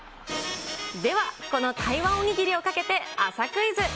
では、この台湾お握りをかけて、朝クイズ。